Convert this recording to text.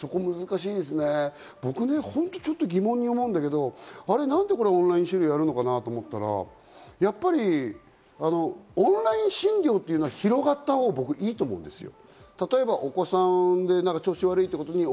僕、ちょっと疑問に思うんだけど、何でこんなにオンライン診療をやるのかなと思ったら、オンライン診療というのは広がったほうがいいと思うんですよ。